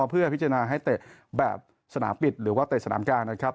เพื่อพิจารณาให้เตะแบบสนามปิดหรือว่าเตะสนามกลางนะครับ